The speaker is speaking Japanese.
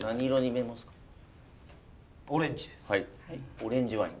オレンジワイン。